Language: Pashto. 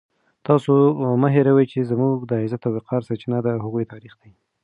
تاسو مه هېروئ چې زموږ د عزت او وقار سرچینه د هغوی تاریخ دی.